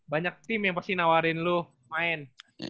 banyak tim yang pasti nawarin lu main